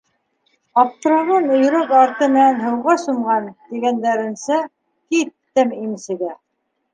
Аптыраған өйрәк арты менән һыуға сумған, тигәндәренсә, киттем имсегә.